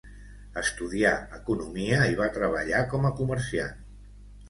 Estudià economia i va treballar com a comerciant.